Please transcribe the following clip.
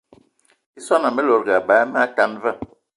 I swan ame lòdgì eba eme atan va